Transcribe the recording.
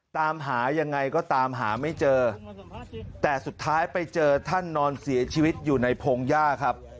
ตามหายังไงก็ตามหาไม่เจอแต่สุดท้ายไปเจอท่านนอนเสียชีวิตอยู่ในพงหญ้าครับ